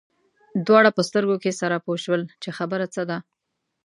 دواړه په سترګو کې سره پوه شول چې خبره څه ده.